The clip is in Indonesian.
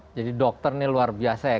iya jadi dokter nih luar biasa ya